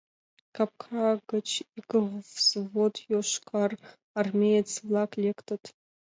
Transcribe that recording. Капка гыч ик взвод йошкарармеец-влак лектыт.